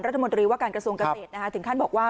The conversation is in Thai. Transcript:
รัฐมนตรีว่าการกระทรวงเกษตรถึงขั้นบอกว่า